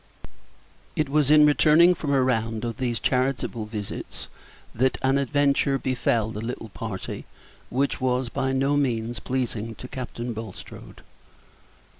It was in returning from a round of these charitable visits that an adventure befell the little party which was by no means pleasing to Captain Bulstrode.